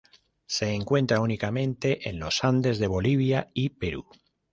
Se encuentra únicamente en los Andes de Bolivia y Perú.